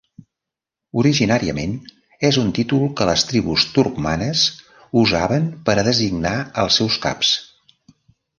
Originàriament és un títol que les tribus turcmanes usaven per a designar els seus caps.